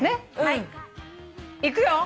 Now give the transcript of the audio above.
いくよ？